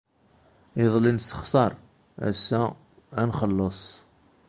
Iḍelli nessexṣer, ass-a ad nxelleṣ.